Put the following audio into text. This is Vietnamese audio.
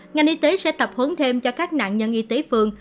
ngành y tế sẽ tập huấn thêm cho các nạn nhân y tế phường